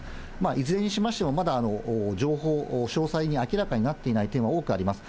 いずれにしましても、まだ情報、詳細に明らかになっていない点は多くあります。